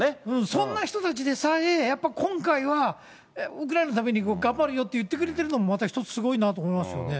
そんな人たちでさえ、やっぱり今回はウクライナのための頑張るよと言ってくれてるのも、また一つ、すごいなと思いますよね。